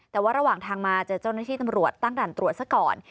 แต่ว่าระหว่างทางมาเจอเจ้าหน้าที่ตำรวจตั้งด่านตรวจซะก่อน